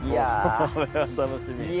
これは楽しみ。